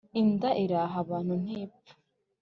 inda iriha abantu ntipfa